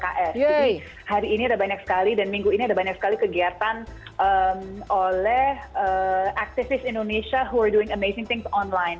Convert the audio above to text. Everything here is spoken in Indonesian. jadi hari ini ada banyak sekali dan minggu ini ada banyak sekali kegiatan oleh activist indonesia who are doing amazing things online